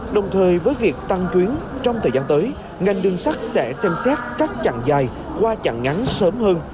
đồng thời với việc tăng chuyến trong thời gian tới ngành đường sắt sẽ xem xét các chặng dài qua chặn ngắn sớm hơn